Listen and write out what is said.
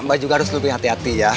mbak juga harus lebih hati hati ya